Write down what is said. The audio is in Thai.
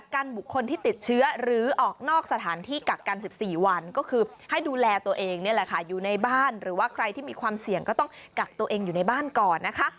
กับตัวเองอยู่ในบ้านก่อนนะคะ